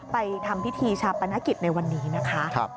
ทำพิธีชาปนกิจในวันนี้นะคะ